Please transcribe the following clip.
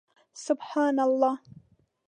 سبحان الله